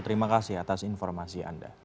terima kasih atas informasi anda